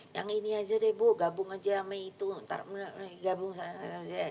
yang ini aja deh bu gabung aja sama itu ntar gabung sama lz